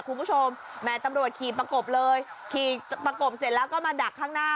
คุณผู้ชมแม่ตำรวจขี่ประกบเลยขี่ประกบเสร็จแล้วก็มาดักข้างหน้า